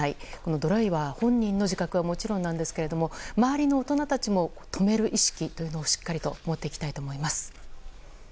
ドライバー本人の自覚はもちろんですが周りの大人たちも止める意識をしっかりと持っていきたいと思います。